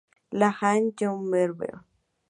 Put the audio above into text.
La Haye-Malherbe